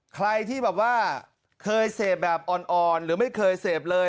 ใครที่แบบว่าเคยเสพแบบอ่อนหรือไม่เคยเสพเลย